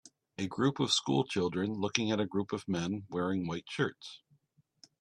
A group of school children looking at a group on men wearing white shirts